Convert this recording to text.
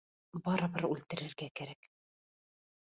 Барыбыр үлтерергә кәрәк.